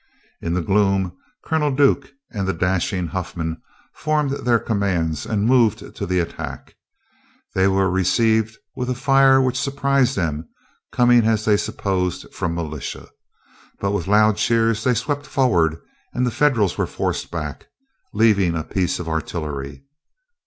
In the gloom, Colonel Duke and the dashing Huffman formed their commands and moved to the attack. They were received with a fire which surprised them, coming as they supposed from militia. But with loud cheers they swept forward, and the Federals were forced back, leaving a piece of artillery.